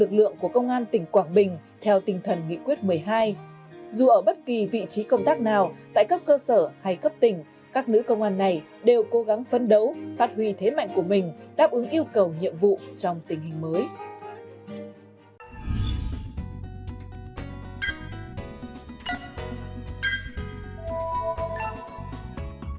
khi công an chỉnh quý vi thì các hoạt động bảo vệ an ninh trật tự rất là chuyên nghiệp và làm cho mối trường trên địa bàn